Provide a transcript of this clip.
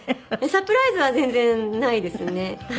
サプライズは全然ないですね。